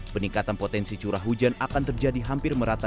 peningkatan potensi curah hujan akan terjadi hampir merata